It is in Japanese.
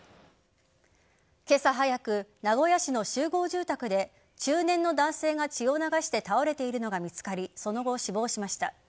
今朝早く、名古屋市の集合住宅で中年の男性が、血を流して倒れているのが見つかりその後、死亡しました。